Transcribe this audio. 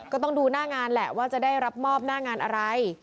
ก็ต้องดูหน้างานแหละว่าจะได้รับมอบหน้างานอะไร